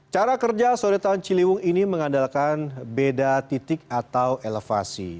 cara kerja sodetan ciliwung ini mengandalkan beda titik atau elevasi